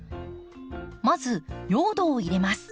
まず用土を入れます。